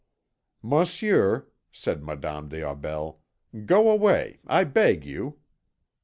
"Monsieur," said Madame des Aubels, "go away, I beg you."